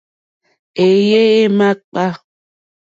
Éèyé é màkpá.